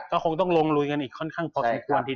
ก็คงต้องลงลุยกันอีกค่อนข้างพอสมควรที